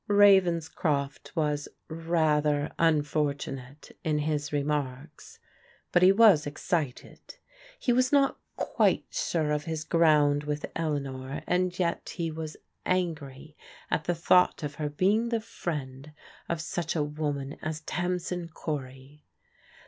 Ravenscroft was rather unfortunate in his remarks. But he was excited. He was not quite sure of his ground with Eleanor, and yet he was angry at the thought of her being the friend of such a woman as Tamsin Cory.